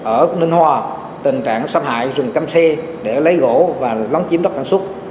ở ninh hòa tình trạng xâm hại rừng căm xê để lấy gỗ và lóng chiếm đất sản xuất